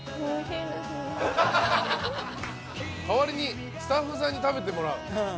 代わりにスタッフさんに食べてもらう？